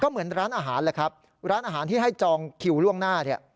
เหมือนร้านอาหารแหละครับร้านอาหารที่ให้จองคิวล่วงหน้าเนี่ย